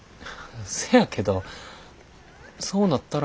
せやけどそうなったらえっ